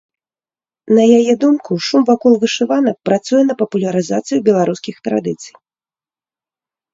На яе думку, шум вакол вышыванак працуе на папулярызацыю беларускіх традыцый.